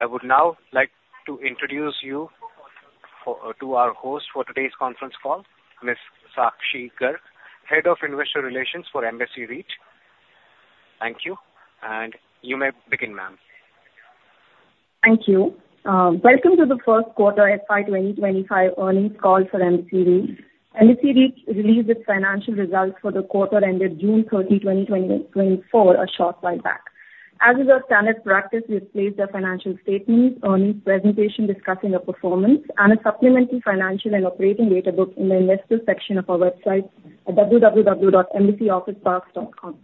I would now like to introduce you to our host for today's conference call, Ms. Sakshi Garg, Head of Investor Relations for Embassy REIT. Thank you, and you may begin, ma'am. Thank you. Welcome to the first quarter FY 2025 earnings call for Embassy REIT. Embassy REIT released its financial results for the quarter ended June 30, 2024, a short while back. As is our standard practice, we've placed our financial statements, earnings presentation discussing our performance, and a supplemental financial and operating data book in the investor section of our website at www.embassyofficeparks.com.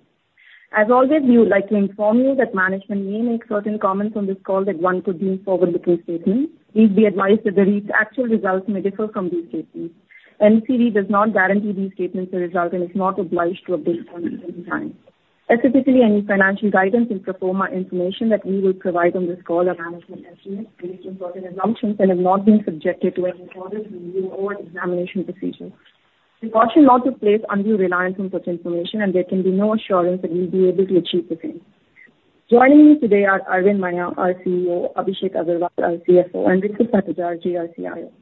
As always, we would like to inform you that management may make certain comments on this call that one could deem forward-looking statements. Please be advised that the REIT's actual results may differ from these statements. Embassy REIT does not guarantee these statements to result and is not obliged to update upon any time. Specifically, any financial guidance and pro forma information that we will provide on this call are management estimates, based on certain assumptions and have not been subjected to any audit review or examination procedures. Precaution not to place undue reliance on such information, and there can be no assurance that we'll be able to achieve the same. Joining me today are Arvind Maiya, our CEO, Abhishek Agrawal, our CFO, and Ritwik Bhattacharjee, our CIO.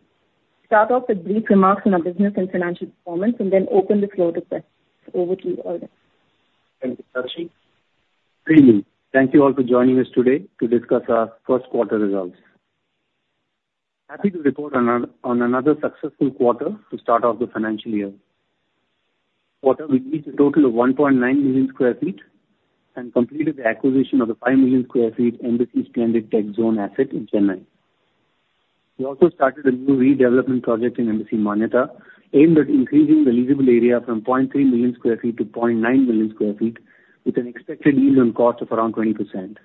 Start off with brief remarks on our business and financial performance, and then open the floor to questions. Over to you, Arvind. Thank you, Sakshi. Thank you all for joining us today to discuss our first quarter results. Happy to report on another successful quarter to start off the financial year. Quarter with a total of 1.9 million sq ft and completed the acquisition of a 5 million sq ft Embassy Splendid TechZone asset in Chennai. We also started a new redevelopment project in Embassy Manyata aimed at increasing the leasable area from 0.3 million sq ft to 0.9 million sq ft, with an expected yield on cost of around 20%.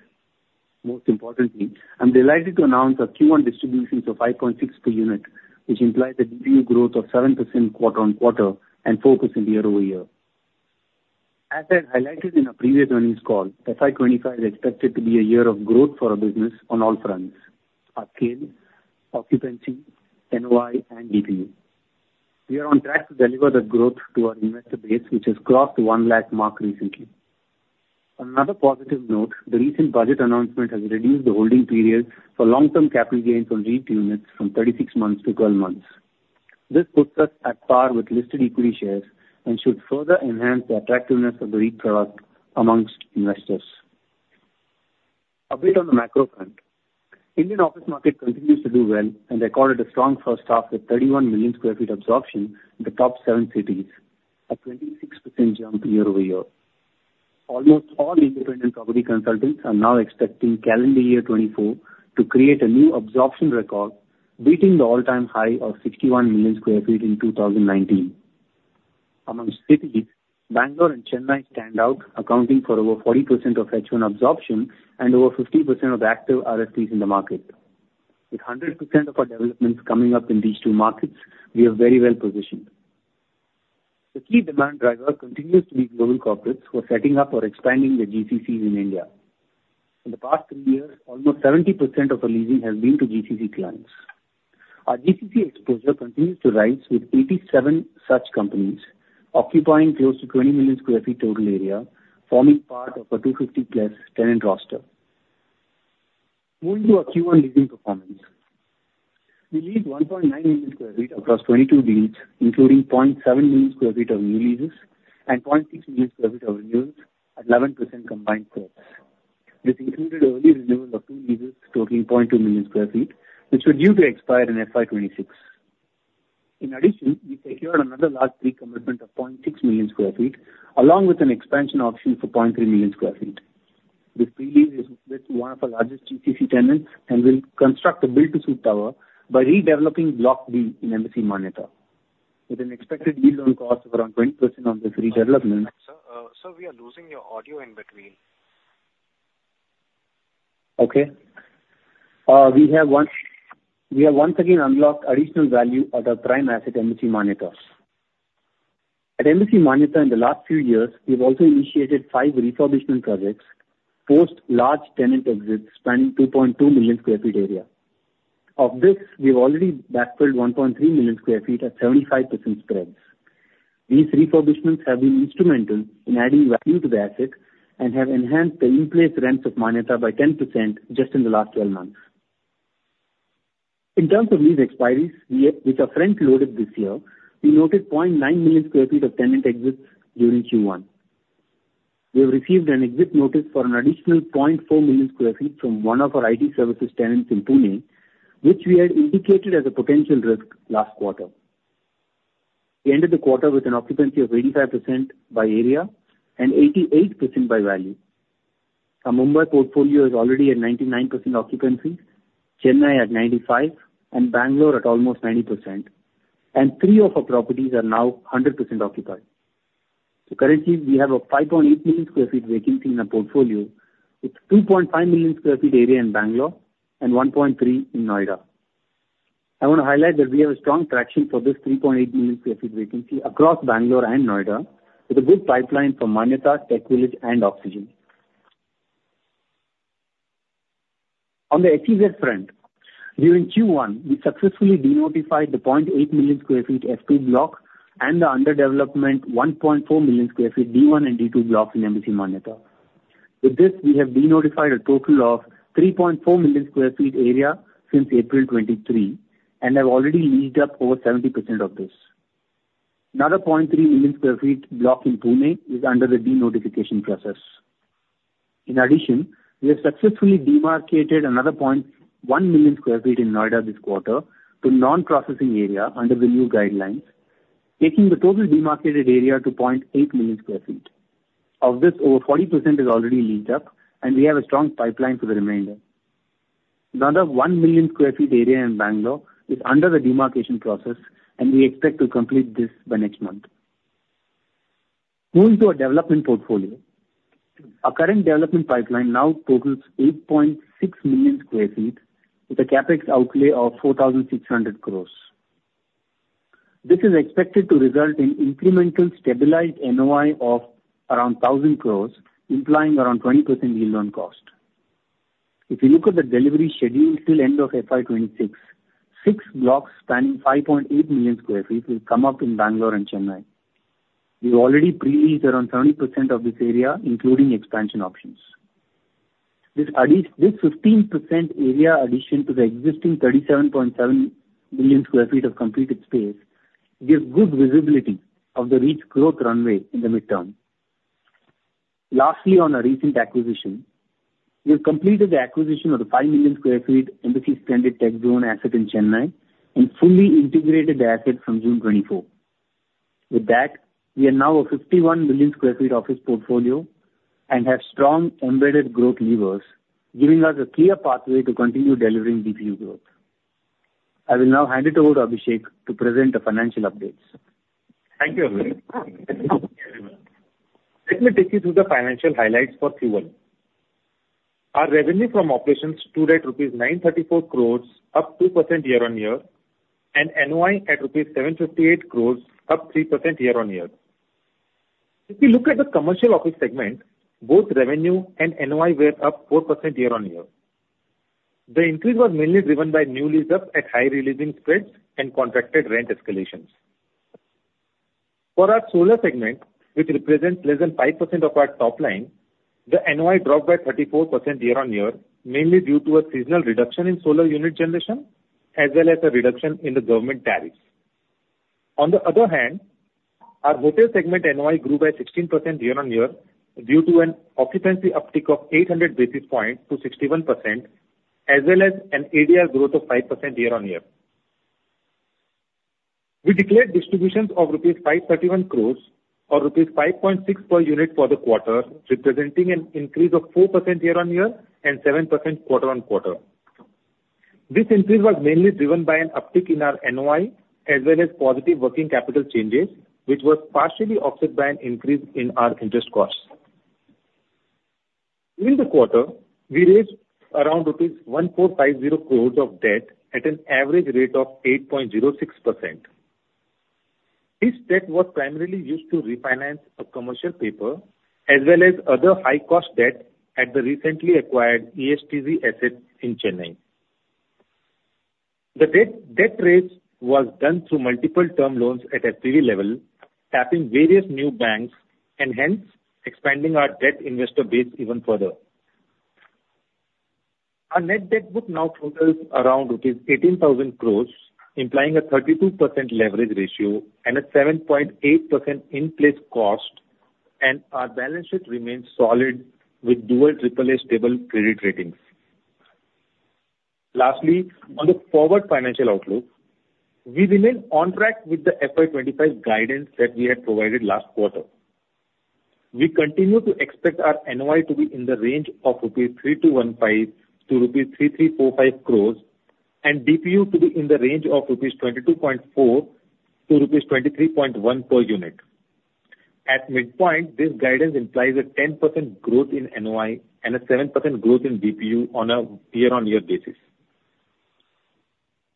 Most importantly, I'm delighted to announce our Q1 distributions of 5.6 per unit, which implies a DPU growth of 7% quarter-on-quarter and 4% year-over-year. As I highlighted in a previous earnings call, FY 2025 is expected to be a year of growth for our business on all fronts: our scale, occupancy, NOI, and DPU. We are on track to deliver that growth to our investor base, which has crossed the 1 lakh mark recently. On another positive note, the recent budget announcement has reduced the holding period for long-term capital gains on REIT units from 36 months to 12 months. This puts us at par with listed equity shares and should further enhance the attractiveness of the REIT product amongst investors. A bit on the macro front, Indian office market continues to do well, and recorded a strong first half with 31 million sq ft absorption in the top seven cities, a 26% jump year-over-year. Almost all independent property consultants are now expecting calendar year 2024 to create a new absorption record, beating the all-time high of 61 million sq ft in 2019. Among cities, Bangalore and Chennai stand out, accounting for over 40% of H1 absorption and over 50% of active RFPs in the market. With 100% of our developments coming up in these two markets, we are very well positioned. The key demand driver continues to be global corporates who are setting up or expanding their GCCs in India. In the past three years, almost 70% of our leasing has been to GCC clients. Our GCC exposure continues to rise, with 87 such companies occupying close to 20 million sq ft total area, forming part of a 250+ tenant roster. Moving to our Q1 leasing performance, we leased 1.9 million sq ft across 22 deals, including 0.7 million sq ft of new leases and 0.6 million sq ft of renewals, at 11% combined spreads. This included early renewal of two leases totaling 0.2 million sq ft, which were due to expire in FY 2026. In addition, we secured another large pre-commitment of 0.6 million sq ft, along with an expansion option for 0.3 million sq ft. This pre-lease is with one of our largest GCC tenants and will construct a build-to-suit tower by redeveloping Block B in Embassy Manyata. With an expected yield on cost of around 20% on this redevelopment. Sir, we are losing your audio in between. Okay. We have once again unlocked additional value at our prime asset, Embassy Manyata. At Embassy Manyata, in the last few years, we've also initiated 5 refurbishment projects post-large tenant exits spanning 2.2 million sq ft area. Of this, we've already backfilled 1.3 million sq ft at 75% spreads. These refurbishments have been instrumental in adding value to the asset and have enhanced the in-place rents of Manyata by 10% just in the last 12 months. In terms of lease expiries, which are front-loaded this year, we noted 0.9 million sq ft of tenant exits during Q1. We have received an exit notice for an additional 0.4 million sq ft from one of our IT services tenants in Pune, which we had indicated as a potential risk last quarter. We ended the quarter with an occupancy of 85% by area and 88% by value. Our Mumbai portfolio is already at 99% occupancy, Chennai at 95%, and Bangalore at almost 90%. And three of our properties are now 100% occupied. Currently, we have a 5.8 million sq ft vacancy in our portfolio, with 2.5 million sq ft area in Bangalore and 1.3 in Noida. I want to highlight that we have a strong traction for this 3.8 million sq ft vacancy across Bangalore and Noida, with a good pipeline for Manyata, TechVillage, and Oxygen. On the SEZ front, during Q1, we successfully denotified the 0.8 million sq ft Block F2 and the under development 1.4 million sq ft Block D1 and Block D2 blocks in Embassy Manyata. With this, we have denotified a total of 3.4 million sq ft area since April 2023, and have already leased up over 70% of this. Another 0.3 million sq ft block in Pune is under the denotification process. In addition, we have successfully demarcated another 0.1 million sq ft in Noida this quarter to non-processing area under the new guidelines, taking the total demarcated area to 0.8 million sq ft. Of this, over 40% is already leased up, and we have a strong pipeline for the remainder. Another 1 million sq ft area in Bangalore is under the demarcation process, and we expect to complete this by next month. Moving to our development portfolio, our current development pipeline now totals 8.6 million sq ft with a CapEx outlay of 4,600 crore. This is expected to result in incremental stabilized NOI of around 1,000 crore, implying around 20% yield on cost. If you look at the delivery scheduled till end of FY 2026, six blocks spanning 5.8 million sq ft will come up in Bangalore and Chennai. We've already pre-leased around 70% of this area, including expansion options. This 15% area addition to the existing 37.7 million sq ft of completed space gives good visibility of the REIT's growth runway in the midterm. Lastly, on our recent acquisition, we have completed the acquisition of the 5 million sq ft Embassy Splendid TechZone asset in Chennai and fully integrated the asset from June 24, 2024. With that, we are now a 51 million sq ft office portfolio and have strong embedded growth levers, giving us a clear pathway to continue delivering DPU growth. I will now hand it over to Abhishek to present the financial updates. Thank you, Arvind. Let me take you through the financial highlights for Q1. Our revenue from operations stood at rupees 934 crores, up 2% year-on-year, and NOI at rupees 758 crores, up 3% year-on-year. If we look at the commercial office segment, both revenue and NOI were up 4% year-on-year. The increase was mainly driven by new lease-ups at high re-leasing spreads and contracted rent escalations. For our solar segment, which represents less than 5% of our top line, the NOI dropped by 34% year-on-year, mainly due to a seasonal reduction in solar unit generation, as well as a reduction in the government tariffs. On the other hand, our hotel segment NOI grew by 16% year-on-year due to an occupancy uptick of 800 basis points to 61%, as well as an ADR growth of 5% year-on-year. We declared distributions of rupees 531 crores or rupees 5.6 per unit for the quarter, representing an increase of 4% year-on-year and 7% quarter-on-quarter. This increase was mainly driven by an uptick in our NOI, as well as positive working capital changes, which was partially offset by an increase in our interest costs. In the quarter, we raised around rupees 1,450 crores of debt at an average rate of 8.06%. This debt was primarily used to refinance a commercial paper, as well as other high-cost debt at the recently acquired ESTZ asset in Chennai. The debt raise was done through multiple term loans at SPV level, tapping various new banks and hence expanding our debt investor base even further. Our net debt book now totals around rupees 18,000 crores, implying a 32% leverage ratio and a 7.8% in-place cost, and our balance sheet remains solid with dual AAA stable credit ratings. Lastly, on the forward financial outlook, we remain on track with the FY 2025 guidance that we had provided last quarter. We continue to expect our NOI to be in the range of 3,215-3,345 crores rupees and DPU to be in the range of 22.4-23.1 rupees per unit. At midpoint, this guidance implies a 10% growth in NOI and a 7% growth in DPU on a year-on-year basis.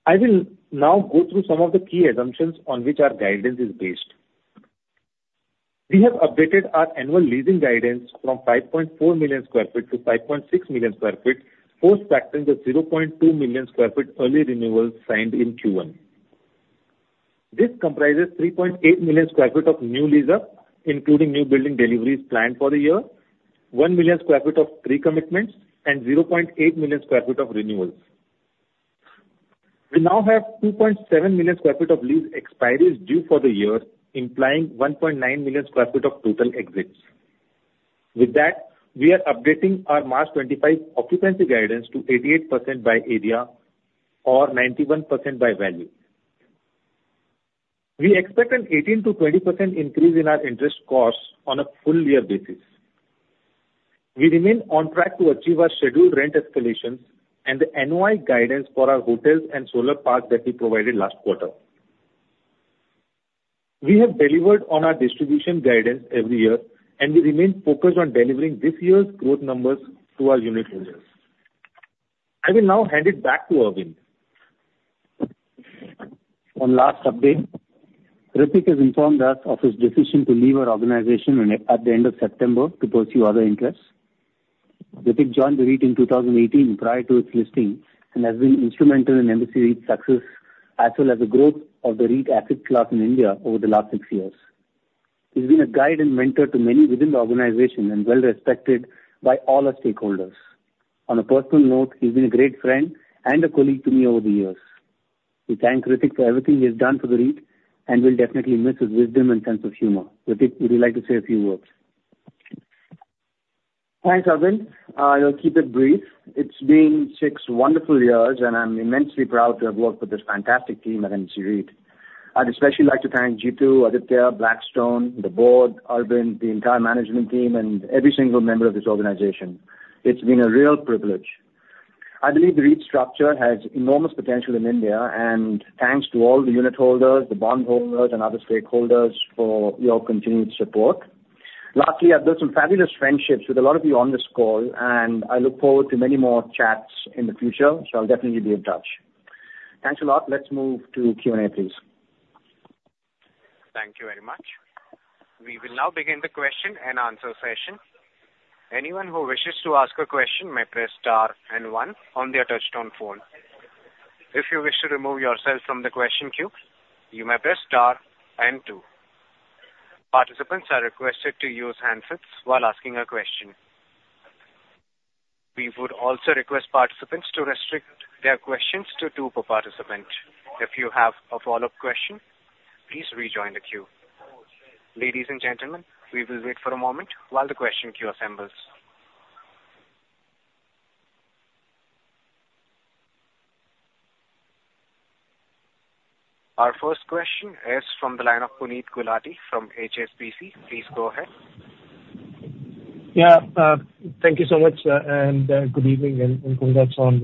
I will now go through some of the key assumptions on which our guidance is based. We have updated our annual leasing guidance from 5.4 million sq ft to 5.6 million sq ft, post-factoring the 0.2 million sq ft early renewals signed in Q1. This comprises 3.8 million sq ft of new lease-up, including new building deliveries planned for the year, 1 million sq ft of pre-commitments, and 0.8 million sq ft of renewals. We now have 2.7 million sq ft of lease expiries due for the year, implying 1.9 million sq ft of total exits. With that, we are updating our March 2025 occupancy guidance to 88% by area or 91% by value. We expect an 18%-20% increase in our interest costs on a full-year basis. We remain on track to achieve our scheduled rent escalations and the NOI guidance for our hotels and solar parks that we provided last quarter. We have delivered on our distribution guidance every year, and we remain focused on delivering this year's growth numbers to our unit owners. I will now hand it back to Arvind. On last update, Ritwik has informed us of his decision to leave our organization at the end of September to pursue other interests. Ritwik joined the REIT in 2018 prior to its listing and has been instrumental in Embassy REIT's success, as well as the growth of the REIT asset class in India over the last six years. He's been a guide and mentor to many within the organization and well-respected by all our stakeholders. On a personal note, he's been a great friend and a colleague to me over the years. We thank Ritwik for everything he has done for the REIT and will definitely miss his wisdom and sense of humor. Ritwik, would you like to say a few words? Thanks, Arvind. I'll keep it brief. It's been six wonderful years, and I'm immensely proud to have worked with this fantastic team at Embassy REIT. I'd especially like to thank Jitu, Aditya, Blackstone, the board, Arvind, the entire management team, and every single member of this organization. It's been a real privilege. I believe the REIT structure has enormous potential in India, and thanks to all the unit holders, the bondholders, and other stakeholders for your continued support. Lastly, I've built some fabulous friendships with a lot of you on this call, and I look forward to many more chats in the future, so I'll definitely be in touch. Thanks a lot. Let's move to Q&A, please. Thank you very much. We will now begin the question and answer session. Anyone who wishes to ask a question may press star and one on their touch-tone phone. If you wish to remove yourself from the question queue, you may press star and two. Participants are requested to use handsets while asking a question. We would also request participants to restrict their questions to two per participant. If you have a follow-up question, please rejoin the queue. Ladies and gentlemen, we will wait for a moment while the question queue assembles. Our first question is from the line of Puneet Gulati from HSBC. Please go ahead. Yeah, thank you so much, and good evening, and congrats on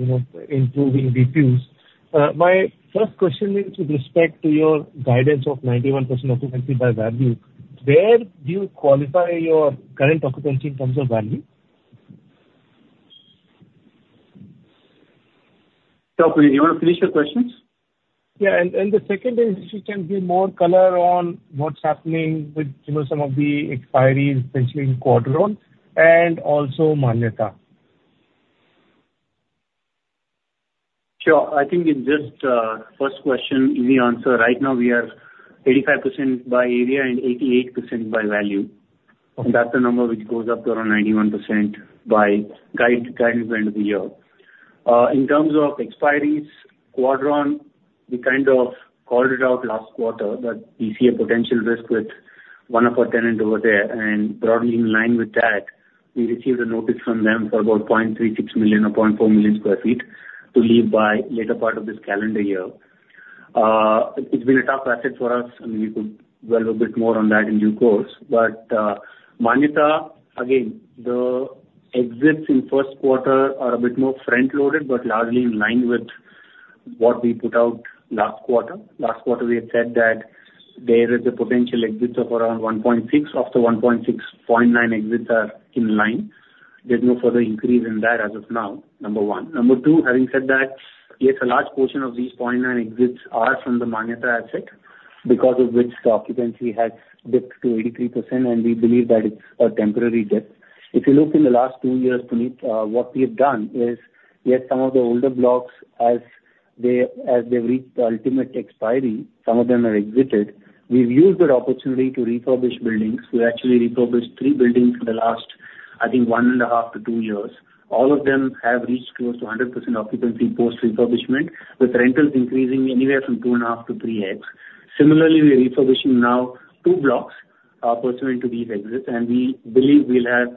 improving DPUs. My first question is with respect to your guidance of 91% occupancy by value. Where do you qualify your current occupancy in terms of value? So, Puneet, do you want to finish your questions? Yeah, and the second is if you can give more color on what's happening with some of the expiries essentially in quarter one and also Manyata. Sure. I think in just the first question, easy answer, right now we are 85% by area and 88% by value. That's a number which goes up to around 91% by guidance end of the year. In terms of expiries, quarter on, we kind of called it out last quarter that we see a potential risk with one of our tenants over there. Broadly in line with that, we received a notice from them for about 0.36 million or 0.4 million sq ft to leave by later part of this calendar year. It's been a tough asset for us. I mean, we could dwell a bit more on that in due course. Manyata, again, the exits in first quarter are a bit more front-loaded, but largely in line with what we put out last quarter. Last quarter, we had said that there is a potential exit of around 1.6. Of the 1.6, 0.9 exits are in line. There's no further increase in that as of now, number one. Number two, having said that, yes, a large portion of these 0.9 exits are from the Manyata asset because of which the occupancy has dipped to 83%, and we believe that it's a temporary dip. If you look in the last two years, Puneet, what we have done is, yes, some of the older blocks, as they've reached the ultimate expiry, some of them are exited. We've used that opportunity to refurbish buildings. We actually refurbished three buildings in the last, I think, one and a half to two years. All of them have reached close to 100% occupancy post-refurbishment, with rentals increasing anywhere from 2.5x-3x. Similarly, we're refurbishing now two blocks pursuant to these exits, and we believe we'll have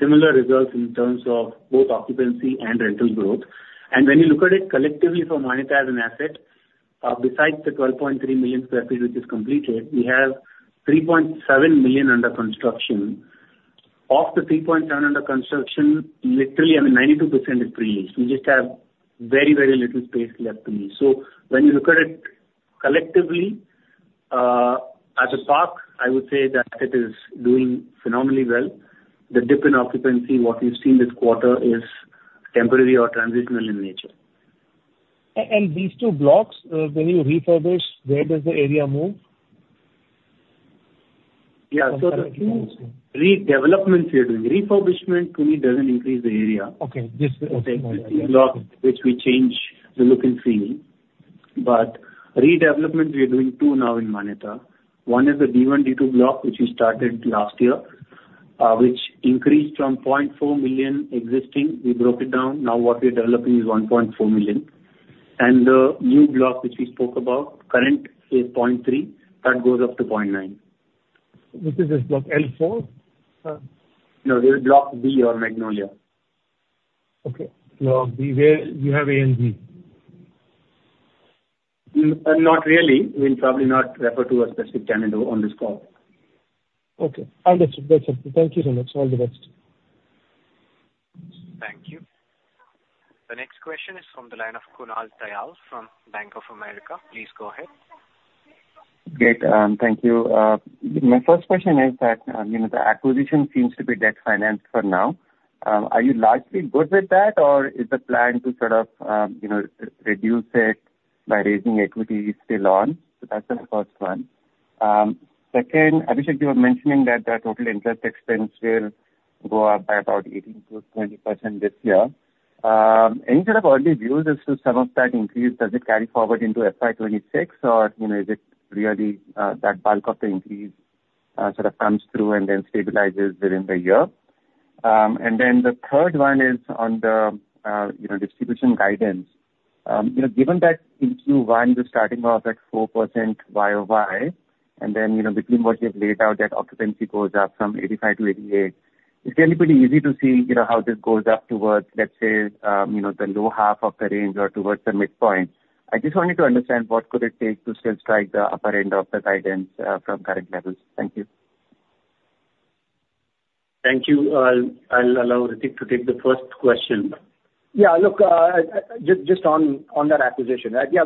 similar results in terms of both occupancy and rental growth. And when you look at it collectively for Manyata as an asset, besides the 12.3 million sq ft which is completed, we have 3.7 million under construction. Of the 3.7 under construction, literally, I mean, 92% is pre-leased. We just have very, very little space left to lease. So when you look at it collectively, as a park, I would say that it is doing phenomenally well. The dip in occupancy, what we've seen this quarter, is temporary or transitional in nature. These two blocks, when you refurbish, where does the area move? Yeah, so the two redevelopments we are doing, refurbishment, but it doesn't increase the area. Okay. Okay. These two blocks which we change the look and feel. But redevelopment, we are doing two now in Manyata. One is the D1, D2 block, which we started last year, which increased from 0.4 million existing. We broke it down. Now what we are developing is 1.4 million. And the new block which we spoke about, current is 0.3. That goes up to 0.9. This is just Block L4? No, this is Block B or Magnolia. Okay. So B, where you have ANZ? Not really. We'll probably not refer to a specific tenant on this call. Okay. Understood. That's it. Thank you so much. All the best. Thank you. The next question is from the line of Kunal Tayal from Bank of America. Please go ahead. Great. Thank you. My first question is that the acquisition seems to be debt financed for now. Are you largely good with that, or is the plan to sort of reduce it by raising equity still on? So that's the first one. Second, Abhishek, you were mentioning that the total interest expense will go up by about 18%-20% this year. Any sort of early views as to some of that increase? Does it carry forward into FY 2026, or is it really that bulk of the increase sort of comes through and then stabilizes within the year? And then the third one is on the distribution guidance. Given that in Q1, you're starting off at 4% year-over-year, and then between what you've laid out, that occupancy goes up from 85%-88%. Is it any pretty easy to see how this goes up towards, let's say, the low half of the range or towards the midpoint? I just wanted to understand what could it take to still strike the upper end of the guidance from current levels? Thank you. Thank you. I'll allow Ritwik to take the first question. Yeah, look, just on that acquisition, yeah,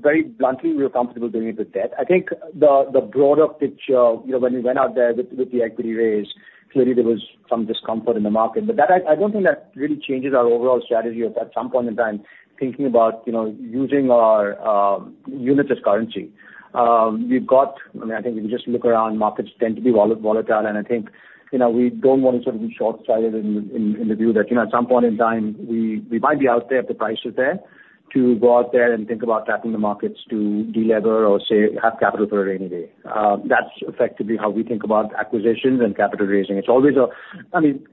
very bluntly, we were comfortable doing it with debt. I think the broader picture, when we went out there with the equity raise, clearly there was some discomfort in the market. But I don't think that really changes our overall strategy of at some point in time thinking about using our units as currency. We've got, I mean, I think if you just look around, markets tend to be volatile, and I think we don't want to sort of be short-sighted in the view that at some point in time, we might be out there if the price is there to go out there and think about tapping the markets to delever or have capital for a rainy day. That's effectively how we think about acquisitions and capital raising. It's always a, I mean,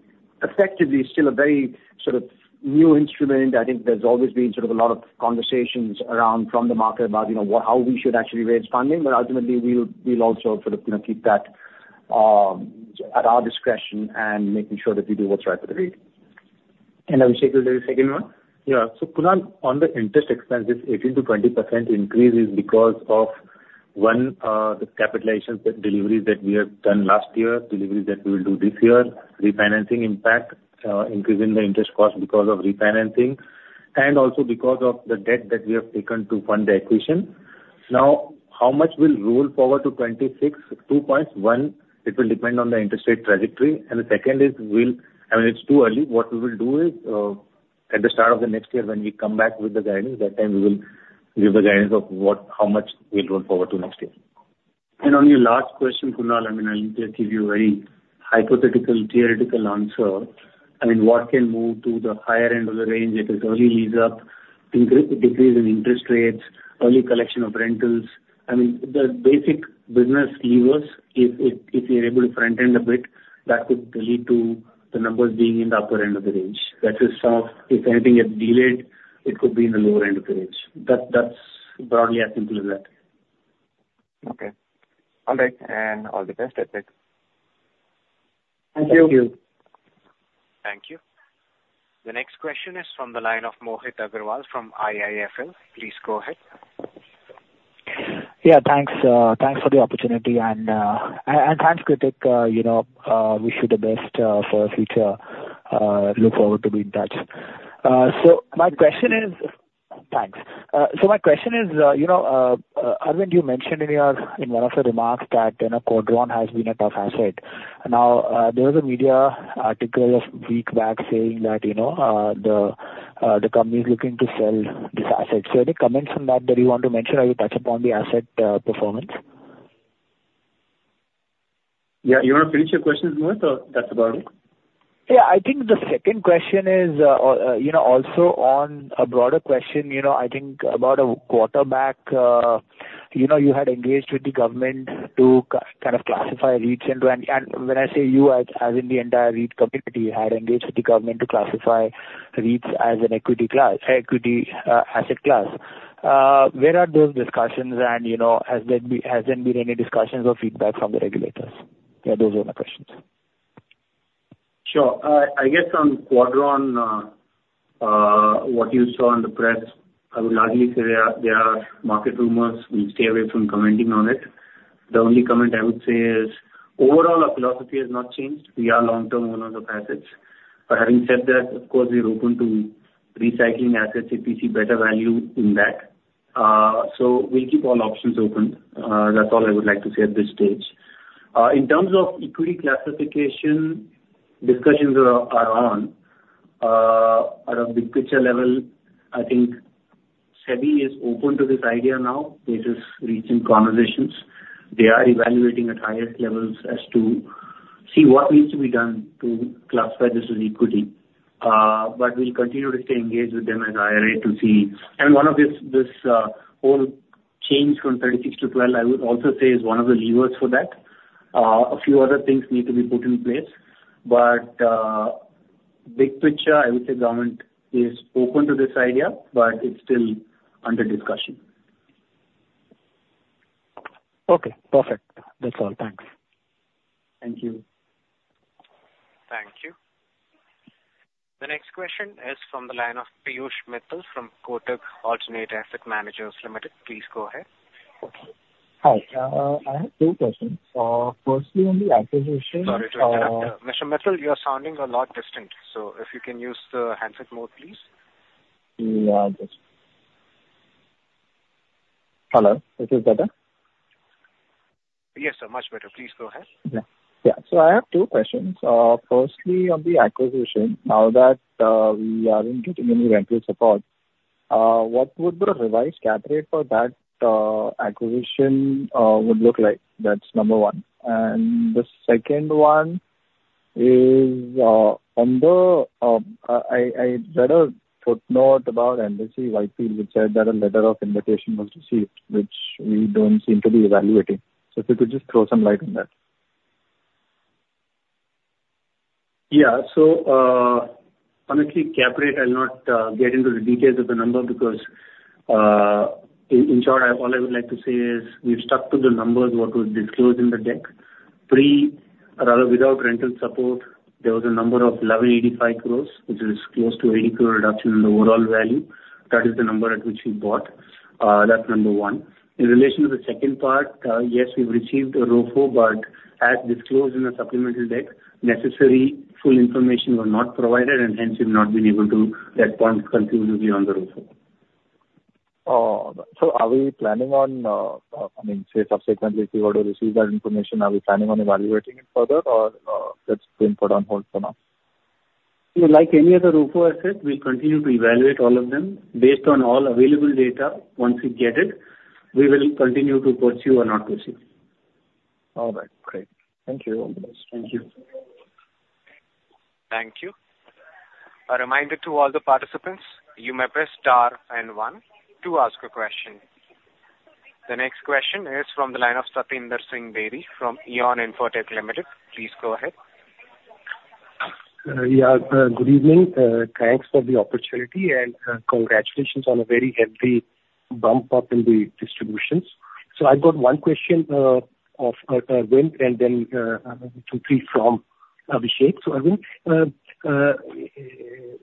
effectively still a very sort of new instrument. I think there's always been sort of a lot of conversations around from the market about how we should actually raise funding, but ultimately, we'll also sort of keep that at our discretion and making sure that we do what's right for the REIT. And Abhishek, you'll do the second one? Yeah. So Kunal, on the interest expenses, 18%-20% increase is because of, one, the capitalization deliveries that we have done last year, deliveries that we will do this year, refinancing impact, increasing the interest cost because of refinancing, and also because of the debt that we have taken to fund the acquisition. Now, how much will roll forward to 2026? Two points. One, it will depend on the interest rate trajectory. And the second is, I mean, it's too early. What we will do is, at the start of the next year, when we come back with the guidance, that time we will give the guidance of how much we'll roll forward to next year. And on your last question, Kunal, I mean, I'll just give you a very hypothetical theoretical answer. I mean, what can move to the higher end of the range? It is early lease-up, decrease in interest rates, early collection of rentals. I mean, the basic business levers, if you're able to front-end a bit, that could lead to the numbers being in the upper end of the range. That is, if anything gets delayed, it could be in the lower end of the range. That's broadly as simple as that. Okay. All right. And all the best, Ritwik. Thank you. Thank you. Thank you. The next question is from the line of Mohit Agrawal from IIFL. Please go ahead. Yeah, thanks. Thanks for the opportunity. Thanks, Ritwik. Wish you the best for the future. Look forward to being in touch. So my question is, Arvind, you mentioned in one of your remarks that Quadron has been a tough asset. Now, there was a media article a week back saying that the company is looking to sell this asset. So any comments on that that you want to mention? Are you touching upon the asset performance? Yeah. You want to finish your question, Mohit? Or that's about it? Yeah. I think the second question is also on a broader question. I think about a quarter back, you had engaged with the government to kind of classify REITs into. And when I say you, as in the entire REIT community, had engaged with the government to classify REITs as an equity asset class. Where are those discussions? And has there been any discussions or feedback from the regulators? Yeah, those are my questions. Sure. I guess on Quadron, what you saw in the press, I would largely say there are market rumors. We'll stay away from commenting on it. The only comment I would say is, overall, our philosophy has not changed. We are long-term owners of assets. But having said that, of course, we're open to recycling assets if we see better value in that. So we'll keep all options open. That's all I would like to say at this stage. In terms of equity classification, discussions are on. At a big picture level, I think SEBI is open to this idea now. This is reaching conversations. They are evaluating at highest levels as to see what needs to be done to classify this as equity. But we'll continue to stay engaged with them as IRA to see. One of this whole change from 36 to 12, I would also say, is one of the levers for that. A few other things need to be put in place. Big picture, I would say government is open to this idea, but it's still under discussion. Okay. Perfect. That's all. Thanks. Thank you. Thank you. The next question is from the line of Piyush Mittal from Kotak Alternate Asset Managers Limited. Please go ahead. Hi. I have two questions. Firstly, on the acquisition. Sorry to interrupt. Mr. Mittal, you're sounding a lot distant. So if you can use the handset mode, please. Yeah. Hello. Is this better? Yes, sir. Much better. Please go ahead. Yeah. So I have two questions. Firstly, on the acquisition, now that we aren't getting any rental support, what would the revised cap rate for that acquisition look like? That's number one. And the second one is, I read a footnote about Embassy Whitefield, which said that a letter of invitation was received, which we don't seem to be evaluating. So if you could just throw some light on that. Yeah. So honestly, cap rate, I'll not get into the details of the number because, in short, all I would like to say is we've stuck to the numbers what was disclosed in the deck. Pre or rather without rental support, there was a number of 1,185 crore, which is close to 80 crore reduction in the overall value. That is the number at which we bought. That's number one. In relation to the second part, yes, we've received a ROFO, but as disclosed in the supplemental deck, necessary full information was not provided, and hence we've not been able to respond conclusively on the ROFO. So are we planning on, I mean, say subsequently, if we were to receive that information, are we planning on evaluating it further, or that's been put on hold for now? Like any other ROFO asset, we'll continue to evaluate all of them. Based on all available data, once we get it, we will continue to pursue or not pursue. All right. Great. Thank you. Thank you. Thank you. A reminder to all the participants, you may press star and one to ask a question. The next question is from the line of Satinder Singh Bedi from Aeon Investech Limited. Please go ahead. Yeah. Good evening. Thanks for the opportunity. And congratulations on a very healthy bump up in the distributions. So I've got one question of Arvind and then two or three from Abhishek. So Arvind,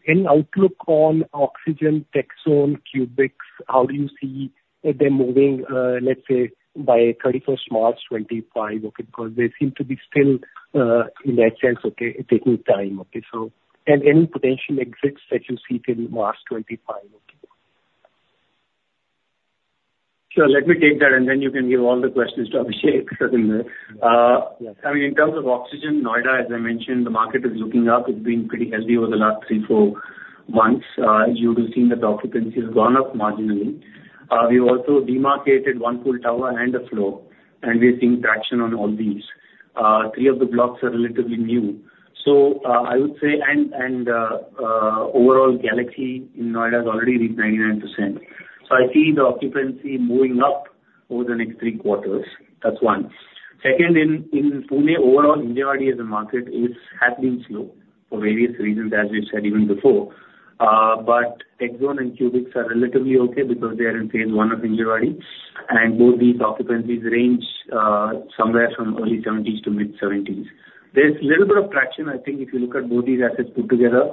any outlook on Oxygen, TechZone, Qubix? How do you see them moving, let's say, by 31st March 2025? Because they seem to be still, in that sense, taking time. And any potential exits that you see till March 2025? Sure. Let me take that, and then you can give all the questions to Abhishek. I mean, in terms of Oxygen, Noida, as I mentioned, the market is looking up. It's been pretty healthy over the last 3-4 months. You will see that the occupancy has gone up marginally. We've also demarcated one full tower and a floor, and we're seeing traction on all these. 3 of the blocks are relatively new. So I would say, and overall, Galaxy in Noida has already reached 99%. So I see the occupancy moving up over the next 3 quarters. That's one. Second, in Pune, overall, Hinjewadi as a market has been slow for various reasons, as we've said even before. But Quadron and Qubix are relatively okay because they are in phase one of Hinjewadi. And both these occupancies range somewhere from early 70s to mid 70s. There's a little bit of traction, I think, if you look at both these assets put together.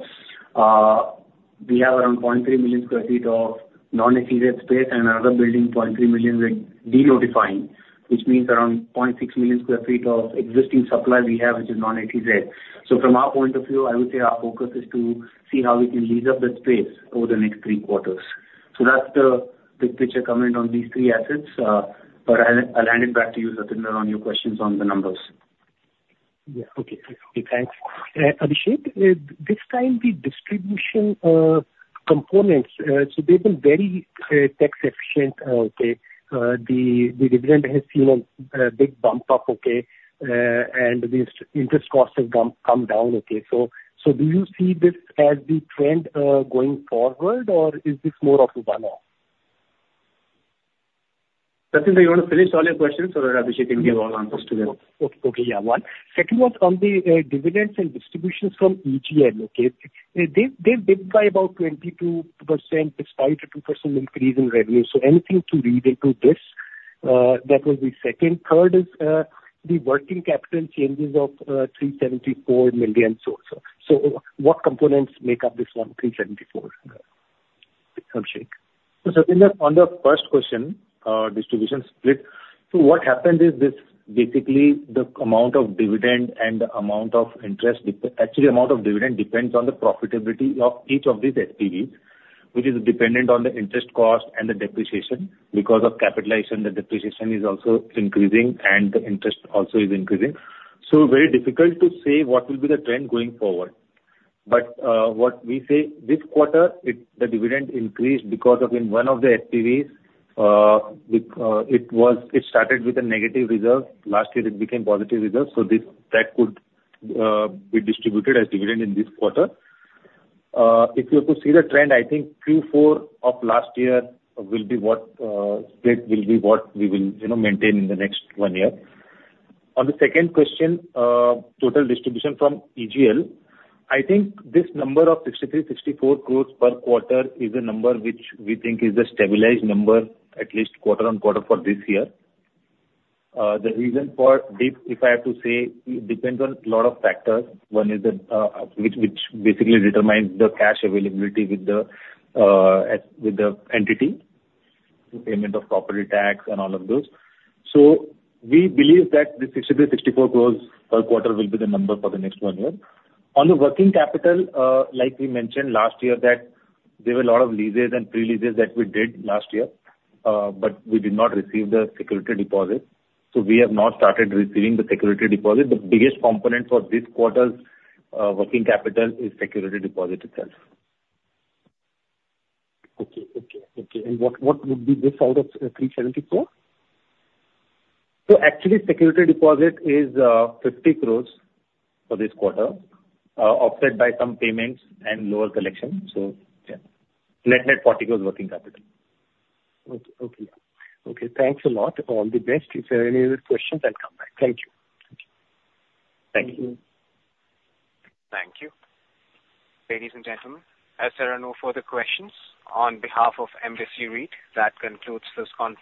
We have around 0.3 million sq ft of non-SEZ space and another building, 0.3 million with denotifying, which means around 0.6 million sq ft of existing supply we have, which is non-SEZ. So from our point of view, I would say our focus is to see how we can lease up the space over the next three quarters. So that's the big picture comment on these three assets. But I'll hand it back to you, Satinder, on your questions on the numbers. Yeah. Okay. Thanks. Abhishek, this time, the distribution components, so they've been very tax efficient. The dividend has seen a big bump up, and the interest cost has come down. So do you see this as the trend going forward, or is this more of a one-off? Satinder, you want to finish all your questions or Abhishek can give all answers together? Okay. Yeah. One. Second one's on the dividends and distributions from EGL. They've dipped by about 22% despite a 2% increase in revenue. So anything to read into this? That would be second. Third is the working capital changes of 374 million so far. So what components make up this 1,374? Abhishek? Satinder, on the first question, distribution split, so what happened is basically the amount of dividend and the amount of interest, actually, the amount of dividend depends on the profitability of each of these SPVs, which is dependent on the interest cost and the depreciation. Because of capitalization, the depreciation is also increasing, and the interest also is increasing. So very difficult to say what will be the trend going forward. But what we say, this quarter, the dividend increased because of one of the SPVs. It started with a negative result. Last year, it became positive result. So that could be distributed as dividend in this quarter. If you could see the trend, I think Q4 of last year will be what will be what we will maintain in the next one year. On the second question, total distribution from EGL, I think this number of 63-64 crore per quarter is a number which we think is a stabilized number, at least quarter-on-quarter for this year. The reason for dip, if I have to say, depends on a lot of factors. One is which basically determines the cash availability with the entity, the payment of property tax, and all of those. So we believe that the 63-64 crore per quarter will be the number for the next one year. On the working capital, like we mentioned last year, that there were a lot of leases and pre-leases that we did last year, but we did not receive the security deposit. So we have not started receiving the security deposit. The biggest component for this quarter's working capital is security deposit itself. Okay. Okay. And what would be this out of 374? So actually, security deposit is 50 crore for this quarter, offset by some payments and lower collection. So net net 40 crore working capital. Okay. Okay. Thanks a lot. All the best. If you have any other questions, I'll come back. Thank you. Thank you. Thank you. Thank you. Ladies and gentlemen, as there are no further questions on behalf of Embassy REIT, that concludes this conference.